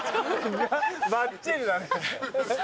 バッチリだね。